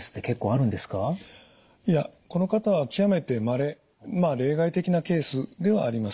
いやこの方は極めてまれまあ例外的なケースではあります。